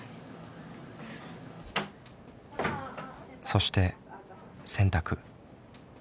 そして洗濯。